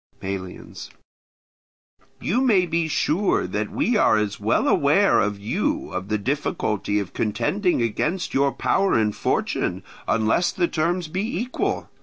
Melians. You may be sure that we are as well aware as you of the difficulty of contending against your power and fortune, unless the terms be equal.